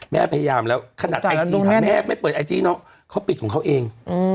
แม่พยายามแล้วขนาดไอจีถามแม่ไม่เปิดไอจีน้องเขาปิดของเขาเอง